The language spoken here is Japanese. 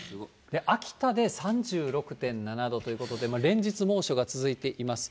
秋田で３６．７度ということで、連日猛暑が続いています。